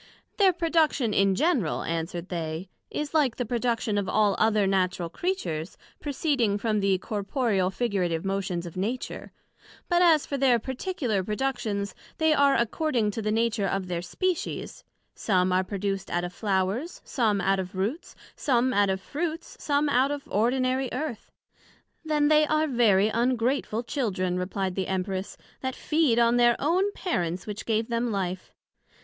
Their production in general, answered they, is like the production of all other Natural Creatures, proceeding from the corporeal figurative motions of Nature; but as for their particular productions, they are according to the nature of their Species; some are produced out of flowers, some out of roots, some out of fruits, some out of ordinary Earth. Then they are very ungrateful Children, replied the Empress, that they feed on their own Parents which gave them life.